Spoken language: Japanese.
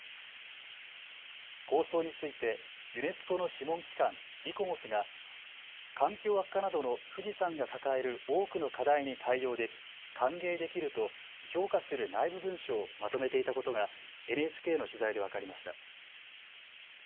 構想についてユネスコの諮問機関、イコモスが環境悪化などの富士山が抱える多くの課題に対応でき歓迎できると評価する内部文書をまとめていたことがＮＨＫの取材で分かりました。